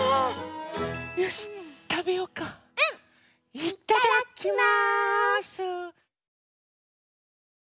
いただきます！